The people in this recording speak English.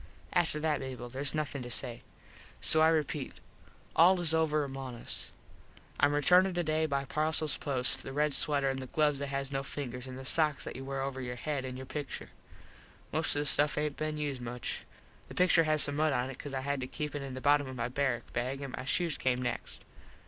After that, Mable, theres nothin to say. So I repeat, its all over among us. Im returnin today by parcels post the red sweter an the gloves that has no fingers an the sox that you wear over your head an your pictur. Most of the stuff aint been used much. The pictur has some mud on it cause I had to keep it in the bottom of my barrak bag an my shoes came next.